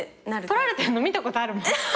とられてるの見たことあるもん。